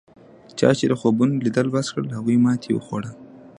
چا چې د خوبونو لیدل بس کړل هغوی ماتې وخوړه.